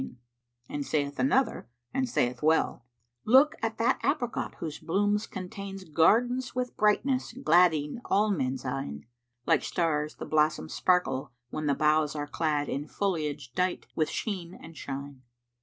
"[FN#390] And saith another and saith well, "Look at that Apricot whose bloom contains * Gardens with brightness gladding all men's eyne: Like stars the blossoms sparkle when the boughs * Are clad in foliage dight with sheen and shine."